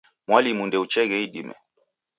Mwalimu ndeucheghe idime.